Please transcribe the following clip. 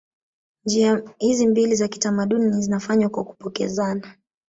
Njia hizi mbili za kitamaduni zinafanywa kwa kupokezana